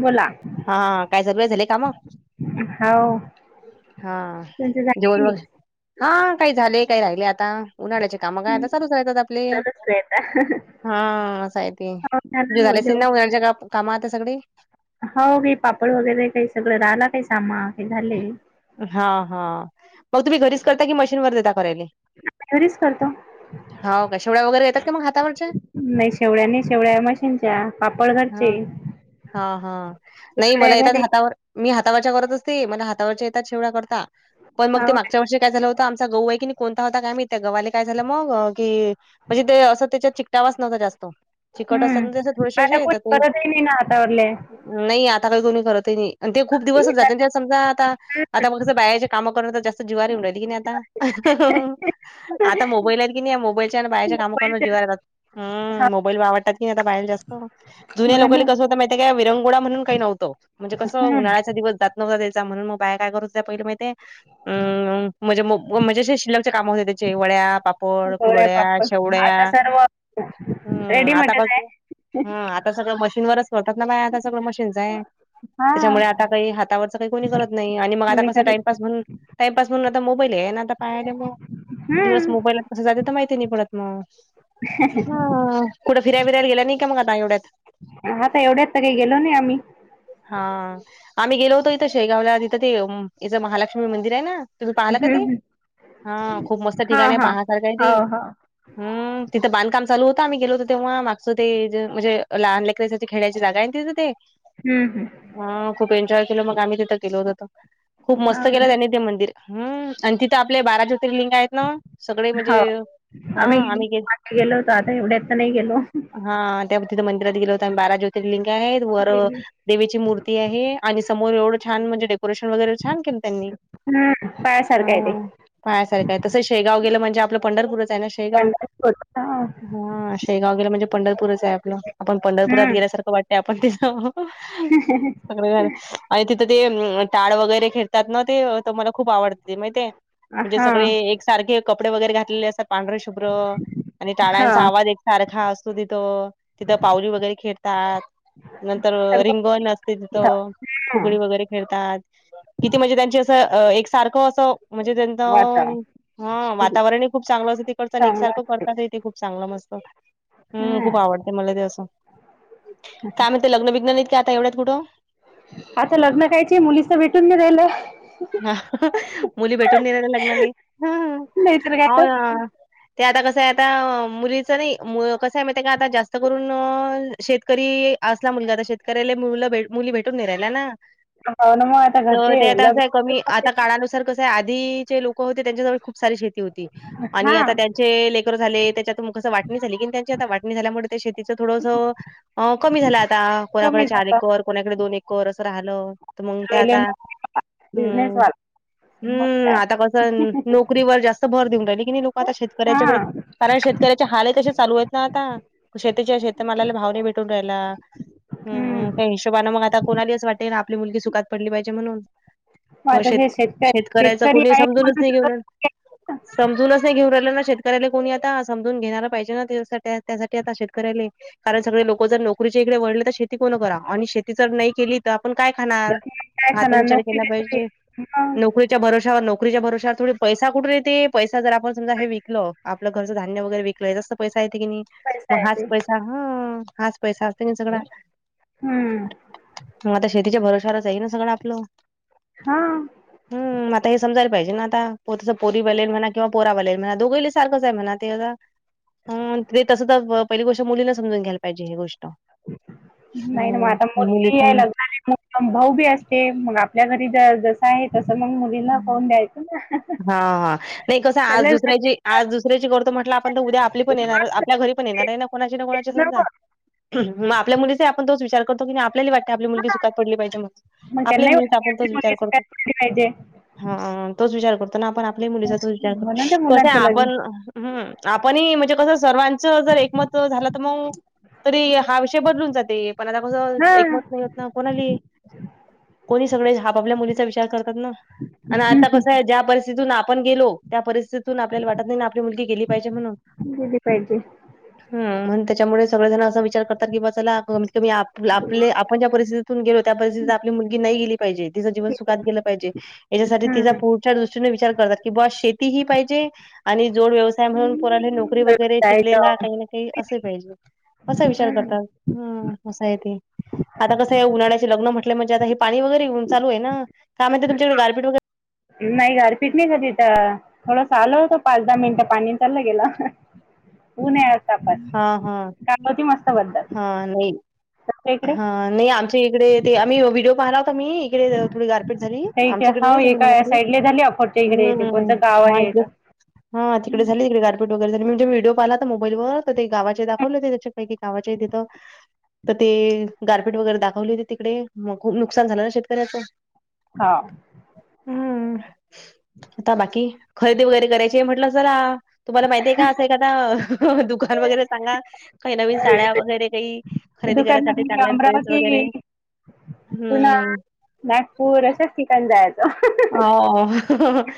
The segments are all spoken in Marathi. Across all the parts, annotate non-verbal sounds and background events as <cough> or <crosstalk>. बोला हा काय <unintelligible> झालेय काम हो हा तुमचं झालं जेवण की वगैरे नाही? हा काही झाले काही राहिले आता उन्हाळ्याचे काम काय आता चालुच आहेत आपली. चालूच काय आता हा, असं आहे ते. हो झालं तुमचे हो झाले असतील जेवण. ना उन्हाळ्याचे काम आता सगळे? हो, मी पापड वगैरे काही सगळं राहिल काही सामान काही झाले. हा- हा मग तुम्ही घरीच करता की मशीन वर देता करायले? घरीच करतो. हो का? शेवळ्या वगैरे येतात का मग हातावरच्या? नाही, शेवळ्या नाही शेवळया मशीनच्या पापड हा घरचे हा- हा नाही, कुरड्या मला येतात घरी हातावर. मी हातावरच्या करत असते मला हातावरच्या येतात शेवळ्या करता? पण मग ते मागच्या वर्षी काय झालं होतं, आमचा गहू आहे कनी कोणता होता काय माहिती त्या गव्हाला काय झालं मग की म्हणजे ते असं त्याच्यात चिटकावाच नव्हता जास्त. चिकट असत ना हम्म थोडेसे आता असे कोणी करतही नाही ना हातावरले. नाही आता काही कोणी करत नाही. ते खूप दिवसच जात समजा आता आता मग कसं बायाचे काम करून तर जास्त जीवावर येऊ राहिले कनी आता. आता मोबाईल आहेत की नाही, या मोबाईलच्यान आणि बाहेरच्या काम करून जीवावर येतात. हम्म, मोबाईल आवडतात की नाही आता बायाले जास्त. जुन्या हो लोक ना कसं होत माहितीय का? विरंगुळा म्हणून काही नव्हत म्हणजे कस हम्म उन्हाळ्याचा दिवस जात <unintelligible> म्हणून मग बाया काय करत होत पहिले माहि ते अ म्हणजे म्हणजे असे शिल्लाकचे काम होते त्याचे वड्या, पापड, शेवड्या कुरड्या, पापड शेवड्या. आता सर्व हम्म, आता रेडीमेडच आहे कसं हम्म, आता सगळं मशीनवरच करतात ना बाया आता सगळं मशीनच आहे. हा त्याच्यामुळे आता काही हातावरच कोणी करत नाही आणि मग आता कोणी कस करत टाइमपास म्हणून टाइमपास म्हणून आता मोबाईल आहे ना आता बायाला मग दिवस हम्म मोबाईलात कस जाते ते माहिती नाही पडत मग, हम्म. कुठ फिराय बीरायला गेला नाही का? मग आता एवढ्यात. आता एवढ्यात काही गेलो नाही आम्ही. हा, आम्ही गेलो होतो इथं शेगावला तिथं ते इथं महालक्ष्मी मंदिर आहे ना. तुम्ही पाहाल का हम्म ते? हम्म हा खूप मस्त हा ठिकाण आहे. हा पाहसारख आहे हो ते. हो हम्म, तिथं बांधकाम चालू होतं. आम्ही गेलोतो तेव्हा मागच ते म्हणजे लहान लेकराची खेळायची जागाय न तिथं ते. हम्म -हम्म हा, खूप एन्जॉय केलं मग आम्ही तिथं गेल होतो ते खूप मस्त केलं हम्म हो त्यांनी ते मंदिर. हम्, आणि तिथं आपले बारा ज्योतिर्लिंग आहेत. न सगळे म्हणजे हो हा गेलो आम्ही गेल मागे गेलो होतो आता एवढ्यात तर नाही गेलो. हा त्या तिथं मंदिरात गेले होता आम्ही बारा ज्योतिर्लिंग आहेत. वर हम्म देवीची मूर्ती आहे आणि समोर एवढं छान म्हणजे डेको रेशन वगैरे छान केलं त्यांनी ह, पायासारखं आहे ते पायासारखं आहे. तसं शेगाव गेलं म्हणजे आपलंं पंढरपूर आहे न, पंढरपूर हा, हा शेगाव गेला म्हणजे पंढरपूरच आहे आपल. आपण पंढरपुरात हम्म गेल्यासारखं वाटते आपण तिथं. सगळ घाल आणि तिथ त ते टाळ वगैरे खेळतात न ते त मला खूप आवडते माहितीये. म्हणजे हा सगळे एक सारखे कपडे वगैरे घातलेले असतात पांढरे शुभ्र आणि हा टाळ्यांचा आवाज तारखा असतो तिथं, तिथं पाऊली वगैरे खेळतात. नंतर सर्व रिंगन असते तिथ. हा फुगडी वगैरे खेळतात. किती म्हणजे त्यांची असं एक सारखं असं म्हणजे त्यांच वाता हा वातावरणही खूप चांगलं असतं तिकडच आणि चांगलं एकसारखं असते करतात ते खूप चांगलं मस्त. हम्म, हा खूप आवडते मले ते असं. <unintelligible> काय म्हणते लग्न बिग्न नाहीत काय एवढ्यात कुठ? आता लग्न कायचे मुलीच भेटून नाही राहिलं. मुली भेटून नाही राहिले लग्नाले हा नाहीतर काय तर होन. ते आता कसं आहे आता मुलीचं नाही. मु कसं आहे माहिती का आता जास्त करून शेतकरी असला मुलगा त शेतकऱ्याले मुल मुली भेटून नाय राहिल्या ना, हो ना मग आता त घरचे ते आता असं लग्न कमी आता काळानुसार कस आहे. आधीचे लोक होते त्यांच्याजवळ खूप सारी शेती होती हा आणि आता चे लेकरं झाले. त्याच्यातून कसं वाटणी झाली कि त्यांची आता वाटणी झाल्यामुळे त्या शेतीचं थोडस अ कमी झाला आता. कोणाकडे कमी चार एकर कोणाकडे दोन एकर असं राहिलं. तर मग ते पहिल्यांन आता नव्हती मला हम्म बिझनेसवाला हम्म, आता कसं नोकरीवर जास्त भर देऊन राहिले की नाही लोक आता हा शेतकऱ्याच्याकडे कारण शेतकऱ्याचे हालही तसे चालू आहेत ना आता. शेतीच्या शेतमालाला भाव नाही भेटून राहिला? हम्, हम्म त्या हिशोबान मग आता कोणाले असं वाटते ना, आपली मुलगी सुखात पडली पाहिजे म्हणून. मग आता शेत जे शेतकरी शेतकऱ्याच शेतकरी कोणी आहे समजूनच म्हणून नाही घेऊन सगळं राहिल. शक्य समजूनच नाही घेऊ राहिलं ना शेतकऱ्याला कोणी आता, समजून घेणारा पाहिजे ना त्याच्यासाठी त्यासाठी आता शेतकऱ्याले. कारण सगळे लोक जर नोकरीच्या इकडे वळले तर शेत शेती कोण कराव? आणि शेती जर नाही केली त आपण काय आहे. खाणार? मग काय हा त खाणार विचार नोकरी केला कशी पाहिजे. जे होईल मग नोकरी च्या भरोश्यावर नोकरीच्या भरोश्यावर थोडी पैसा कुठून येते? पैसा जर आपण समजा हे विकलं आ घरचं धान्य वगैरे विकलं. याचाच पैसा येत की नाही. पैसा मग आहे हाच ते पैसा हम्म, हाच पैसा असते न सगळा हम्म, मग आता शेतीच्या भरोशावरच आहे न सगळं आपलं. हां, हम, आता हे समजायला पाहिजे ना आता. पोरीत पोरीवालेन म्हणा किं पोरावाल्यान म्हणा दोघईले सारखंच आहे म्हणा ते आता ह ते तस तर पहिली गोष्ट मुलीन समजून घ्यायला पाहिजे ही गोष्ट. नाही न व आता हम्म मुलीच मुलगी आहे म लग्नाले मो भाऊ बी असते मग आपल्या घरी जस आहे तसं मग मुलीला पाहून द्यायचं ना. हा नाही कसं आज सगळेच दुसऱ्याची लक्ष- आज दुसऱ्याची करतो म्हटलं आपण तर उद्या आपली पण येणार आपल्या घरी आपली पण येणार हाय तेच- ना कोणाची ना तेच कोणाची समजा, मग आपल्या मुलीला आपण तोच विचार करतो की नाही आपल्याला वाटत आपली मुलगी सुखात पडली पाहिजे मग मग आपल्या त्यांनाही मुलीचा वाटते की आपण तेच आपली विचार मुलगी करतो. सुखात राहिली पाहिजे. हा तोच विचार करतो ना, आपण आपल्या मुलीचा तोच विचार करतो म्हणून त्या कसयं मुलांचं लग्न आपण हम्म आपणही म्हणजे कसं सर्वांच जर एकमत झालं तर मग तरी हा विषय बदलून जाते, पण आता कसं हा एकमत नाही होत ना कोणाली कोणी सगळे आपापल्या मुलीचा विचार करतात ना. आणि कसं आहे ज्या परिस्थितीतून आपण गेलो त्या परिस्थितीत तितुन आपल्याला वाटत नाही ना आपली मुलगी गेली पाहिजे म्हणून- दिली पाहिजे ह मग त्याच्यामुळे सगळ जण असा विचार विचार करतात की बाबा चला कमीत कमी आप आपण ज्या परिस्थितीतून गेलो, त्या परिस्थितीतून आपली मुलगी नाही गेली पाहिजे. तिंच जीवन सुखात गेलं पाहिजे. याच्यासाठी तिचा हम्म पुढच्या दृष्टीने विचार करतात की बा शेती हि पाहिजे आणि जोड व्यवसा त्या म्हणून पोराले नोकरी वगैरे व्यवसाय शिकलेला जॉब. काही ना काही असे पाहिजे. असा विचार हम्म करतात ह असं आहे ते. आता कसं उन्हाळ्याचे लग्न म्हटलं म्हणजे आणि हे पाणी वगैरे येऊ चालूय काय म्हणतीे तुमच्याकडे गारपीट वगैरे नाही, गारफीट नाही झाली इथं थोडसं आल होत पाच दहा मिनटं पाणी, चाललं गेलं. ऊन आहे आता हा पण हा <unintelligible> हा नाही. हां नाही, आमच्या इकडे आम्ही व्हिडिओ पाहिला होता क‌नी इकडे थोडी गार पिट झाली, त्या इकडे आमच्याकडे हाव नाही झाली, एका मला तरी साईडले झाली अकोटच्या इकडे इथे हम्म कोणतं गाव आहे इथं? <unintelligible> हा तिकडे झाली तिकडे गारपीट वगैर झाली, म्हणजे व्हडिओ पाहिला तर मोबाईवर तर ते गावाचे दाखवले ते त्याचे एकेक गावाचे तिथं. <inaudible> तर ते गारपेट वगैरे दाखवले होती तिकडे, मग खूप नुकसान झालं ना शेतकऱ्याचं. हा. हम्म, आता बाकी खरेदी वगैरे करायची म्हटलं जरा. तुम्हाला माहिती आहे का? असं एखादं दुकान वगैरे सांगा. काही नवीन साड्या वगैरे काही खरेदी दुकान करायसाठी मधी चांगला ड्रेस अमरावती,, वगैरे. पुना हं. नागपूर अशाच ठिकाणी जायचं. हो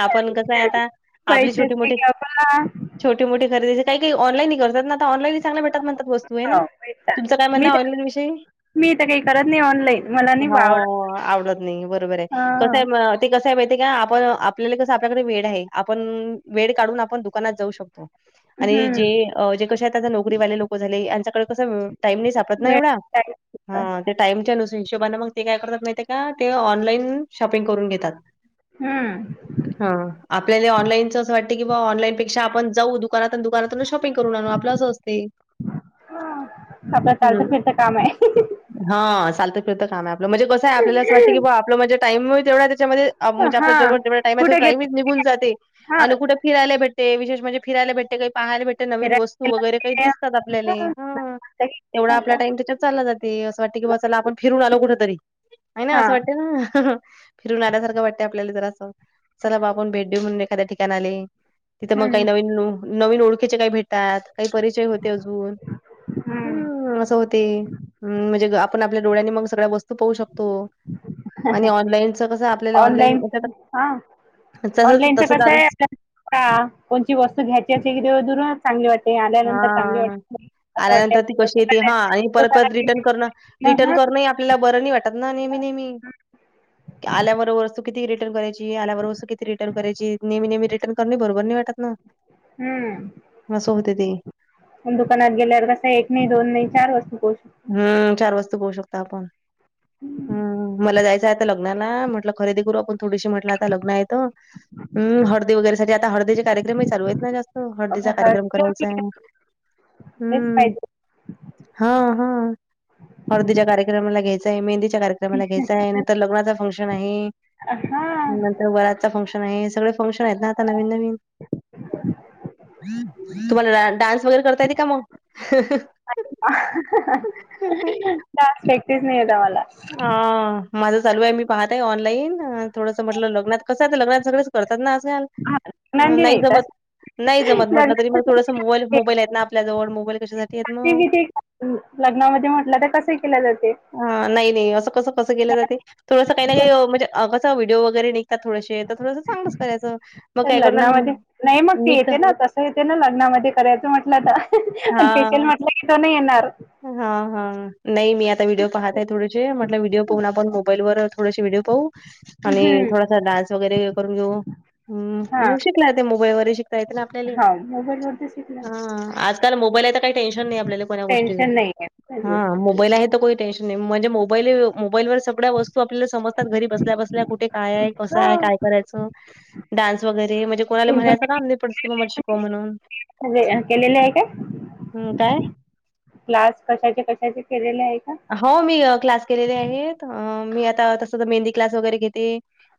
आपण कसंय आता आपली छोटी पैशाचे मोठी की आपण छोटी मोेटी खरेदी, काही काही ऑनलाईनही करतात ना. ऑनलाईनही चांगल्या भेटतात म्हणतात वस्तू है हो ना, पैसा तुमच काय म्हणनं मी हाय तर ऑनलाईन विषयी? मी तर काही करत नाही ऑनलाईन मला नाही हो आवडत आवडत नाही बरोबर हाय. हा कसं हाय म ते कसं हाय माहितेय का? आपण आपल्याला कसं आपल्याकडे वेड आहे‌. आपण वेड काढून आपण दु कानात जाऊ शकतो आणि जे हम्म अ जे कसय आता नोकरीवाले लोकं झाले, यांच्याकडे प कसं टाईम नाही सापडत ना वेळ एवढा, टाईम. अं त्या टाईम च्या नुसा हिशोबाने मग ते काय करतात माहितिये का? ते ऑनलाईन शॉपिंग करून घेतात. हम्म हा, आपल्या ऑनलाईनच अस वाटतं की बा ऑन लाईनपेक्षा आपण जाऊ दुकानातून दुकानातूनच शॉ पिंग करून आणु आपलं असं आसतय आपलं चालतं हं. फिरतं काम आहे. हा चालंत फिरतं काम आहे आपलं म्हणजे कसं आहे आपल्याला अस वाटतं की बा आपलं म्हणजे टाईम तेवढा आहे त्याच्यामध्ये आ म्हणजे हा आपल्या जवळ जेवढं टाइम आहे, तो कुठे गेले टाईमच निघून जाते, हा आणि कुठ फिराला भेटे्ते, विशेष म्हणजे फिरायला भेटते, काही पाहाला भेटते नवीन वस फिरायला गेला वगैरे काही दिसतात आपल्याले, हा. की, तेवढा आपला हा टाईम त्याच्यात चालला जाते, असं वाटतं की, बा चला आपण फिरून आलो कुठेतरी. आहे ना हा. असं वाटते ना. फिरून आल्यासारखं वाटतें आपल्याला जरासं. चला बा आपण भेट देऊ म्हणून एखाद्या ठिकाणाले. तिथ मग काही हम्म नवीन, नवीन ओळखीचे काही भेटतात, काही परिचय होते अजून हुं. हं असं होते म्हणजे आपण आपल्या डोळ्यानी मग सगळ्या वस्तू पाहू शकतो. आणि ऑनलाईनच कसं आपल्याला ऑनलाईन हा, तसंच ऑनलाईनच तसंच कसं आहे आलंच आप का, कोणची वस्तू घ्यायची असेल की, ते दुरनच चांगली वाटते, आल्यानंतर चांगली हा वाटत नाही. आल्यानंतर ती कशी येते, हा आणि परत परत रिटर्न गेली- करण, मग रिटर्न हा. कर न ही आप ल्याला बरं नाही वाटत ना नेहमी, नेहमी, की आल्याबरोबर वस्तू किती रिटर्न करायची. की आल्यावर वस्तू किती रिटर्न करायचीे, नेहमी रिटर्न करणे ही बरोबर नाही वाटत ना. हुं. असं होते ते. पणं दुकानात गेल्यावर कस, एक नाही, दोन नाही चार वस्तू पाहू शकतो. हूम्म, चार वस्तू पहू शकतो आपण, हुं. मला जायचं आहे आता लग नाला म्हटलं खरेदी करू आपण. थोडीशी म्हटलं आता लग्न हायेतं, हुं हळदी वगैरे साठी आता, हळदीचे कार्यक्रमही चालू आहेत ना जास्त. स्त हळदीचा कार्यक्रम शकतो. करायचा आहे. हेच हुंम पाहिजे हा. हं हळदीच्या कार्यक्रमाला घ्यायचाय, मेहंदीच्या कार्यक्रमाला घ्यायचाय. तर लग्नाचा फंक्शन आहे. अ हा. नंतर वरातचा फंक्शन आहे. सगळ फंक्शन आहेत ना, आता नवीन नवीन तुम्हाला डान्स वगैरे करता येते का मग? <inaudible> <inaudible> डान्स प्रेक्टीस नाही होत आम्हाला. अ माझं चालू हाय. मी पाहतय ऑनलाईन थोडंसं म्हणल, लग्नात कसं आता लग्नात सगळ करतात ना अस्याल, हा लग्नांदी नाही तस जमत. नाही जमत म्हटलं तरी, पण थोडंस लग्नाची मोबाईल मोबाईल आहेत ना आपल्याजवळ. मोबाईल कशासाठी आहेत ना म? हुं. लग्नामध्ये म्हटलं तर कसे केले जाते? हा नाही नाही असं कसं! कसं केलं जाते? थोडंस काही नाही काही म्हणजे अ कसा व्हडिओ वगैरे, निघतात थोडेसे, तर थोडंसं चागलंच करायचं. मग पण काय करणार लग्नामध्ये नाही ना? ती मी तर येते ना आता हो येतें त ना लग्नामध्ये करायचं म्हटलं तर, पण किचन म्हटलं की, तो नाही येणार. हा हा. नाही मी आता व्हिडिओ पाहत आहे थोडेसे म्हटल, व्हिडिओ पाहून आपण मोबाईल वर थोडेसे व्हिडिओ पाहू. आणि हम्म थोडासा डान्स वगैरे हे करून घेऊ. हुं. हा मग शिकला ते मोबाईल वर शिकता येत ना आपल्याला? हा हा आज? य कल स हाय त मोबाईल हाय त काही टेन्शन नाही आपल्याला कोन्या गोष्टीच टेन्शन नाही आहे हां. मोबाईल आहे तर कोही टेन्शन नाही म्हणजे, मोबाईल मोबाईल व सग्याल्या वस्तू आपल्याला, समजतात घरी बसल्या बसल्या कुठे काय आहे? कसं हाय? काय करायचं? डान्स वगैरे म्हणजे कोणाला म्हणायंच काम नाही, अमी पुढच तुमी मला शिकवा म्हणून. आले. हां केलेले आहे का? हूम काय? क्लास कशाचे कशाचे केलेले आहे का? हो, मी क्लास केले आहेत. मी आता तसं, मेहंदीक्लास वगैरे घेते.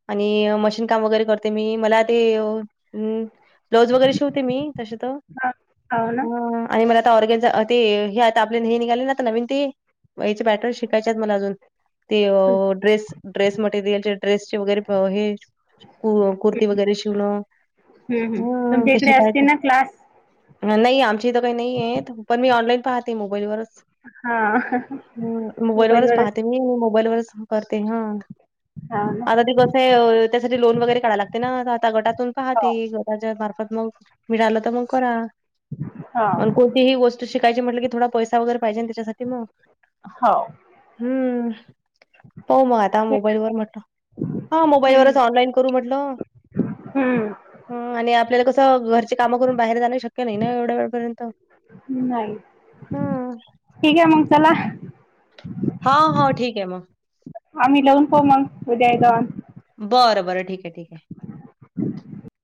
आणि मशीन काम वगैरे करते मी मला ते अ उ. ब्लाऊज वगैरे शिवते मी तशे तर हा हो ना ह. आणि मला आता ऑर्गनझा ते हे आता आपल हे निघाले ना आता नवीन ते हेचे बॅटर् शिकायचे आहेत मला अजून. ते ड्रेस ड्रेस मटेरियल ड्रेसचे वगैरेअ हे कु कुर्ती वगैरे शिवण. हुं हम तुमच्या कडे असते ना क्लास? अ नाही आमच्या इत काही नाहीयेत पण मी ऑनलाईन पाहते मोबाईलवरच. हा हा. हम् मोबाईल वरच पाहते मी मोबाईल वरच करते हा. हा ना. कधी कस त्यासाठी लोन वगैरे काढयला लागते ना आता गटातून हो पहाते गटाच्या मार्फत मग. मिळाल तर मग करा. हो पण कोणतीही गोष्ट शिकायची म्हटल की, थोडा पैसा वगैर पाहिजे त्यासाठी म हाव. हम्म! पाहु म आता ठीक मोबाईल वर आहे. म्हटलं हा मोबाईल हम्म वरच ऑनलाईन करू म्हटलं. हम्म. हम आणि आपल्याला कसं घरची कामं करून बाहेर जाणं शक्य नाही ना एवढ्या वेळापर्यंत? नाही ठीक आहे मग चला. हा हा ठीक आहे मग. आम्ही लावुन प मग उद्या <unintelligible> बरं बरं ठीक आहे ठीक आहे. <inaudible>